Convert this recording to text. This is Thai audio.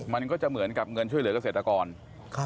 มันก็จะเหมือนกับเงินช่วยเหลือกเกษตรกร